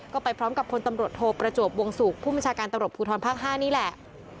ก็ไปพร้อมกับพลตำรวจโทประจวบวงศุกร์ผู้บัญชาการตำรวจภูทรภาค๕นี่แหละ